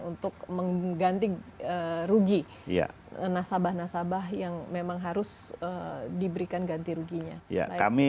untuk mengganti rugi nasabah nasabah yang memang harus diberikan ganti ruginya